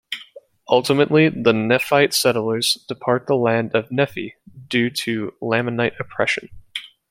Ultimately the Nephite settlers depart the land of Nephi due to Lamanite oppression.